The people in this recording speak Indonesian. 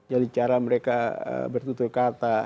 dari cara mereka bertutur kata